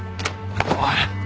おい！